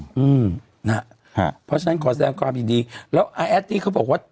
อืมนะฮะเพราะฉะนั้นขอแสดงความยินดีแล้วอาแอดตี้เขาบอกว่า